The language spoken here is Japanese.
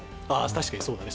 確かにそうだね